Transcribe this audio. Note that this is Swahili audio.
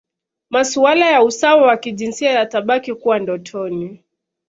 Masuala ya usawa wa kijinsia yatabaki kuwa ndotoni